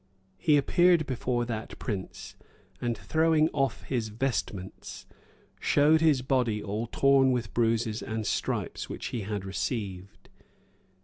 He appeared before that prince, and, throwing off his vestments, showed his body all torn with bruises and stripes which he had received.